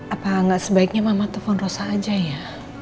apa gak sebaiknya mama telfon rosa aja ya